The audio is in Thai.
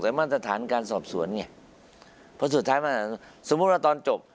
แต่มาตรฐานการสอบสวนไงเพราะสุดท้ายมันสมมุติว่าตอนจบ